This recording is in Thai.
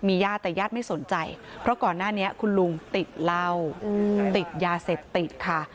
ญาติแต่ญาติไม่สนใจเพราะก่อนหน้านี้คุณลุงติดเหล้าติดยาเสพติดค่ะ